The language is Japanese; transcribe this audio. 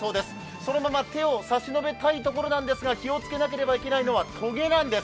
そのまま手を差し伸べたいところなんですが気をつけたいところはとげなんです。